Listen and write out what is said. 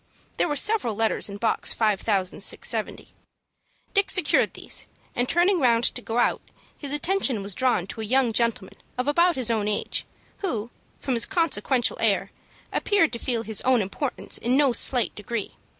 There were several letters in Box 5,670. Dick secured these, and, turning round to go out, his attention was drawn to a young gentleman of about his own age, who, from his consequential air, appeared to feel his own importance in no slight degree.